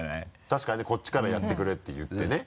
確かにねこっちからやってくれって言ってね。